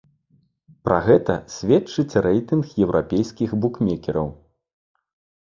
Пра гэта сведчыць рэйтынг еўрапейскіх букмекераў.